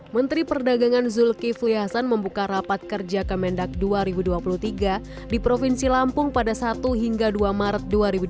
menteri perdagangan zulkifli hasan membuka rapat kerja kemendak dua ribu dua puluh tiga di provinsi lampung pada satu hingga dua maret dua ribu dua puluh